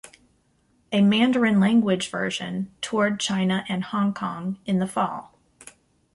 A Mandarin-language version toured China and Hong Kong in the fall.